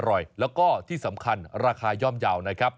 อร่อยแล้วก็ที่สำคัญราคาย่อมเยาว์นะครับ